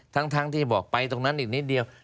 ทั้งที่บอกไปตรงนั้นอีกนิดเดียว